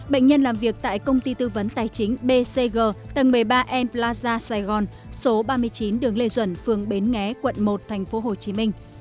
bệnh nhân làm việc tại công ty tư vấn tài chính bcg tầng một mươi ba m plaza sài gòn số ba mươi chín đường lê duẩn phường bến nghé quận một thành phố hồ chí minh